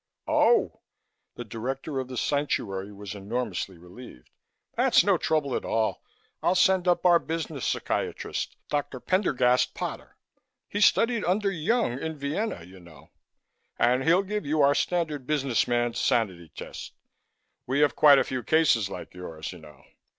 "Oh!" The Director of the Sanctuary was enormously relieved. "That's no trouble at all. I'll send up our business psychiatrist, Dr. Pendergast Potter he studied under Jung in Vienna, you know and he'll give you our standard businessman's sanity test. We have quite a few cases like yours, you know.